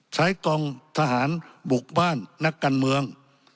ใช้กองทหารบุกบ้านนักการเมือง